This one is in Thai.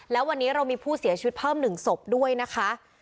แล้ววันนี้เรามีผู้เสียชีวิตเพิ่ม๑ศพด้วยนะคะ